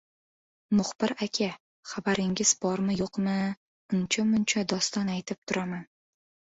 — Muxbir aka, xabaringiz bormi-yo‘qmi, uncha-muncha doston aytib turaman.